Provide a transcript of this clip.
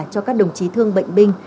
cho các đồng chí thương bệnh binh